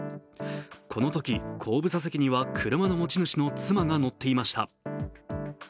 このとき後部座席には車の持ち主の妻が乗っていました。